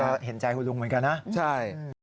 แล้วก็เห็นใจคุณลุงเหมือนกันนะใช่นะครับ